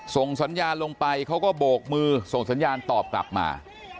ส่งสัญญาณลงไปเขาก็โบกมือส่งสัญญาณตอบกลับมา